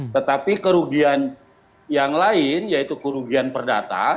tetapi kerugian yang lain yaitu kerugian perdata